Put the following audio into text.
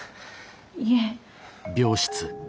いえ。